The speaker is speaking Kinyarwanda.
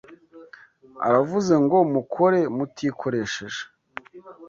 Aravuze ngo mukore mutikoresheje